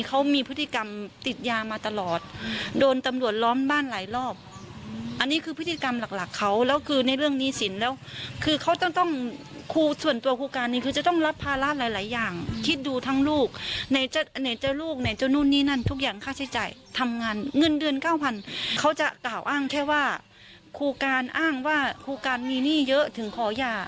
ครูการอ้างว่าครูการมีหนี้เยอะถึงขอหย่า